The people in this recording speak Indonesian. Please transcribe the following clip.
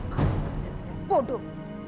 kamu tuh benar benar bodoh